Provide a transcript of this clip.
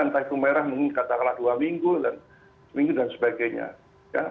entah itu merah mungkin kata kata dua minggu dan sebagainya